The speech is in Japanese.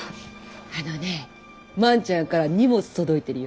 あのねえ万ちゃんから荷物届いてるよ。